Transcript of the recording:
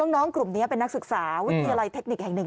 น้องกลุ่มนี้เป็นนักศึกษาวิทยาลัยเทคนิคแห่งหนึ่ง